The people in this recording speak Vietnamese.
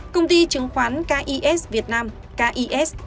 công ty chứng khoán kis việt nam kis